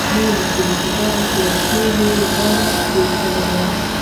• لور د خدای تر ټولو غوره تحفه ده.